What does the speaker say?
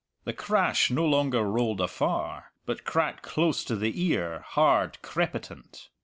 The crash no longer rolled afar, but cracked close to the ear, hard, crepitant.